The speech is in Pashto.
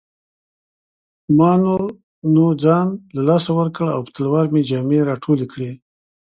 ما نور نو ځان له لاسه ورکړ او په تلوار مې جامې راټولې کړې.